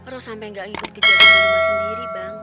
roh sampe gak ngikutin diri sendiri bang